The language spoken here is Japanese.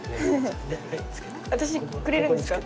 私にくれるんですか？